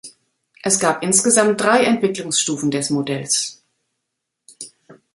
Es gab insgesamt drei Entwicklungsstufen des Modells.